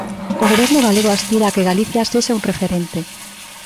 O Goberno galego aspira a que Galicia sexa un referente.